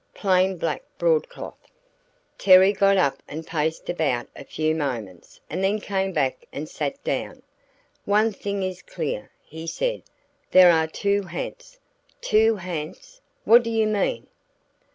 "Plain black broadcloth." Terry got up and paced about a few moments and then came back and sat down. "One thing is clear," he said, "there are two ha'nts." "Two ha'nts! What do you mean?"